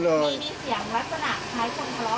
มีเสียงลักษณะคล้ายคลักของพลบ